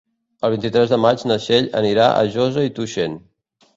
El vint-i-tres de maig na Txell anirà a Josa i Tuixén.